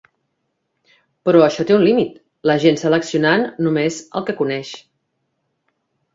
Però això té un límit; la gent seleccionant només el que coneix.